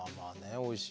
おいしい。